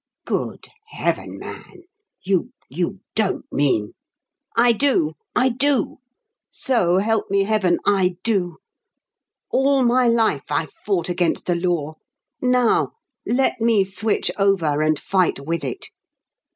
"Good heaven, man, you you don't mean ?" "I do I do! So help me heaven, I do. All my life I've fought against the law now let me switch over and fight with it.